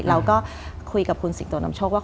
เราก็คุยกับคุณสิงโตนำโชคว่า